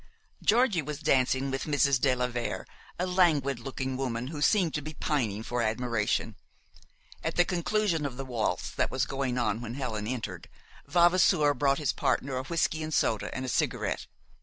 Georgie was dancing with Mrs. de la Vere, a languid looking woman who seemed to be pining for admiration. At the conclusion of the waltz that was going on when Helen entered, Vavasour brought his partner a whisky and soda and a cigarette.